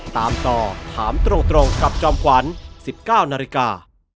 ตามต่อถามตรงกับจอมขวัญ๑๙นาฬิกา